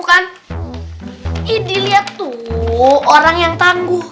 kan ini lihat tuh orang yang tangguh ini orang yang tangguh ini orang yang tangguh ini orang yang tangguh